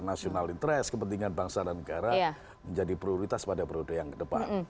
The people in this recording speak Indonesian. nah itu juga menurut saya adalah kepentingan nasional interest kepentingan bangsa dan negara menjadi prioritas pada prioritas yang ke depan